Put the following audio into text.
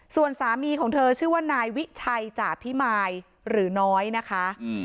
ส่วนสามีของเธอชื่อว่านายวิชัยจ่าพิมายหรือน้อยนะคะ